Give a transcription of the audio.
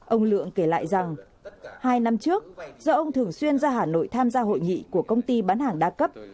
ông lượng kể lại rằng hai năm trước do ông thường xuyên ra hà nội tham gia hội nghị của công ty bán hàng đa cấp